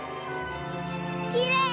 きれい！